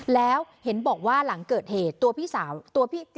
แล้วเห็นบอกว่าหลังเกิดเหตุตัวพี่สาวตัวพี่